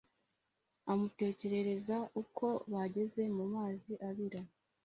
amutekerereza uko bageze mu mazi abira